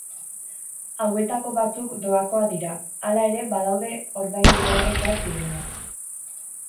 Hauetako batzuk doakoa dira, hala ere badaude ordaindu beharrekoak direnak.